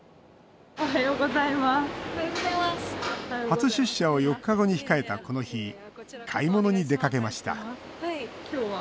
初出社を４日後に控えた、この日買い物に出かけました今日は？